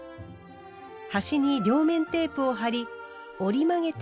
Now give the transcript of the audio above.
端に両面テープを貼り折り曲げて接着。